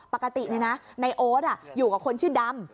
อ๋อปกติเนี่ยนะในโอ๊ตอยู่กับคนชื่อดำ